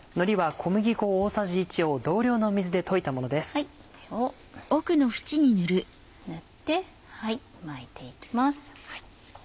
これを塗って巻いていきます。